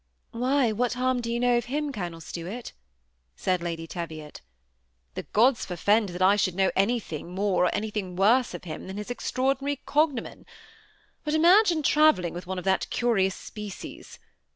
"Why, what harm do you kno^ of him, Colonel Stuart ?" said Lady Teviot. "The gods forfend that I should know anything more, or anything worse of him than his extraordinary THE SEMI ATTACHED COUPLE. 167 cognomen ; but imagine travelling with one of that cu rious species.